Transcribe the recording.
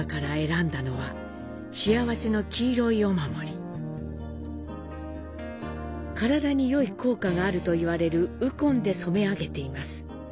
身体によい効果があるといわれるウコンで染め上げています。